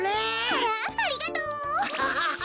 あらありがとう。ハハハ。